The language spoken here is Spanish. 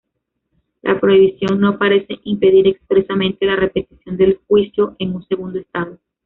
La prohibición no parece impedir expresamente la repetición del juicio en un segundo Estado.